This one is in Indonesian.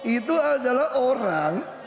itu adalah orang